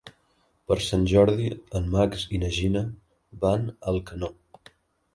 Per Sant Jordi en Max i na Gina van a Alcanó.